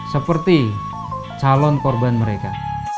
seperti calon korban mereka